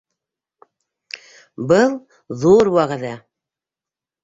Был — ҙур вәғәҙә.